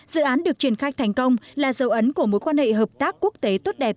dự án được triển khai thành công là dấu ấn của mối quan hệ hợp tác quốc tế tốt đẹp